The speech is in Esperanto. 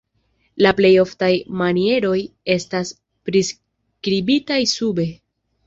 La plej oftaj manieroj estas priskribitaj sube.